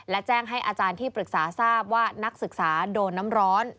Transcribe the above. และแจ้งให้อาจารย์ที่ปรึกษาทราบว่านักศึกษาโดนน้ำร้อน